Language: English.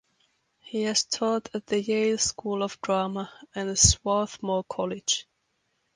He has taught at the Yale School of Drama and Swarthmore College.